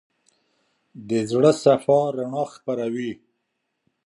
د زړه صفا رڼا خپروي.